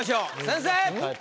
先生！